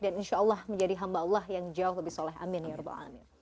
dan insya allah menjadi hamba allah yang jauh lebih soleh amin ya rabbal'alamin